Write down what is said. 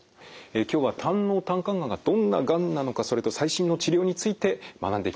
今日は胆のう・胆管がんがどんながんなのかそれと最新の治療について学んでいきます。